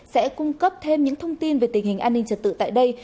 sẽ cung cấp thêm những thông tin về tình hình an ninh trật tự tại đây